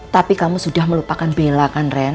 tapi kamu sudah melupakan bela kan ren